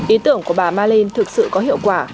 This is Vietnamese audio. ý tưởng của bà malin thực sự có hiệu quả